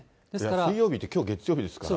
水曜日って、きょう月曜日ですから。